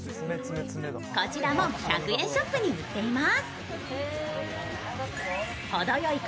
こちらも１００円ショップに売っています。